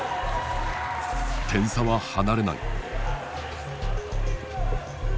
点差は離れない。